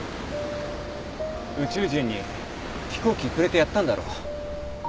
宇宙人に飛行機くれてやったんだろ。